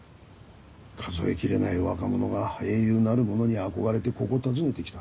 数え切れない若者が英雄なるものに憧れてここを訪ねてきた。